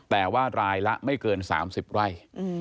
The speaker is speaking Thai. แต่ว่ารายละไม่เกิน๓๐ไร่